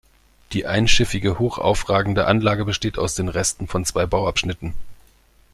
Die einschiffige, hochaufragende Anlage besteht aus den Resten von zwei Bauabschnitten.